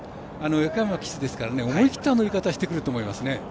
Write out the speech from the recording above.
横山騎手ですから思い切った乗り方してくると思いますね。